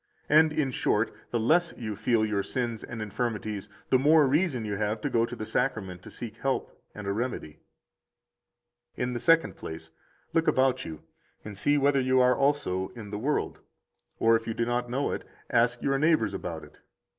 And, in short, the less you feel your sins and infirmities, the more reason have you to go to the Sacrament to seek help and a remedy. 79 In the second place, look about you and see whether you are also in the world, or if you do not know it, ask your neighbors about it.